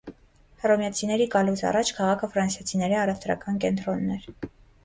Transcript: Հռոմեացիների գալուց առաջ քաղաքը ֆրանսիացիների առևտրական կենտրոնն էր։